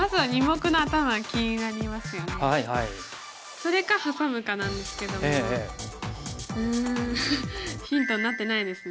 それかハサむかなんですけどもうんヒントになってないですね